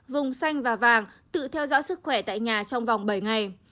vùng xanh và vàng tự theo dõi sức khỏe tại nhà trong vòng bảy ngày